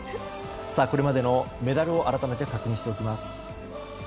これまでのメダルを改めて確認していきます。